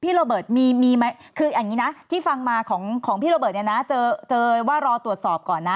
ระเบิดมีไหมคืออย่างนี้นะที่ฟังมาของพี่โรเบิร์ตเนี่ยนะเจอว่ารอตรวจสอบก่อนนะ